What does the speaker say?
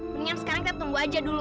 mendingan sekarang kita tunggu aja dulu